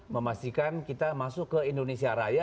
memastikan kita masuk ke indonesia raya